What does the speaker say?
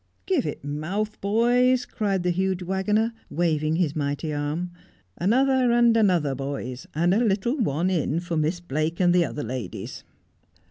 ' Give it mouth, boys,' cries the huge waggoner, waving his mighty arm ;' another and another, boys, and a little one in for Miss Blake and the other ladies.'